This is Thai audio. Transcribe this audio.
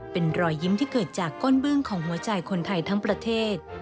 เป็นรอยยิ้มที่เกิดจากก้นเบื้องของหัวใจคนไทยทั้งประเทศ